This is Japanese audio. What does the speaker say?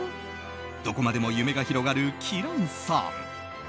どこまでも夢が広がるキランさん。